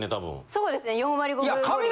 そうですね４割５分。